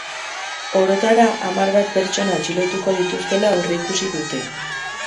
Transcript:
Orotara, hamar bat pertsona atxilotuko dituztela aurreikusi dute.